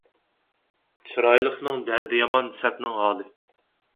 چىرايلىقنىڭ دەردى يامان، سەتنىڭ ھالى